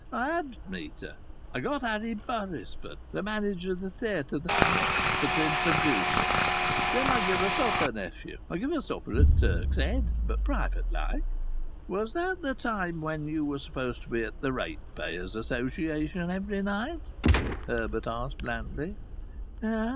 I had for t' meet her. I got Harry Burisford, th' manager o' th' theatre thou knowst, for t' introduce us. Then I give a supper, nephew I give a supper at Turk's Head, but private like." "Was that the time when you were supposed to be at the Ratepayers' Association every night?" Herbert asked blandly.